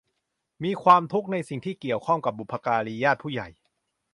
มีความทุกข์ในสิ่งที่เกี่ยวข้องกับบุพการี ญาติผู้ใหญ่